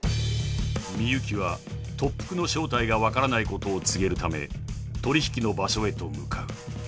［深雪は特服の正体が分からないことを告げるため取引の場所へと向かう］